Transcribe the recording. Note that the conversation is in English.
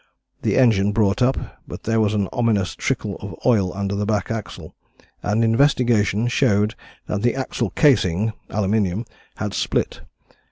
The engine brought up, but there was an ominous trickle of oil under the back axle, and investigation showed that the axle casing (aluminium) had split.